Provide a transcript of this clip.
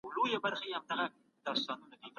ټولنیز عدالت د پرمختګ لومړی شرط دی.